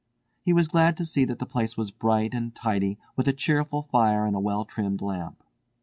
He was glad to see that the place was bright and tidy with a cheerful fire and a well trimmed lamp.